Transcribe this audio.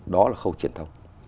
đó là khâu truyền thông